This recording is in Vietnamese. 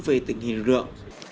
về tình hình lượng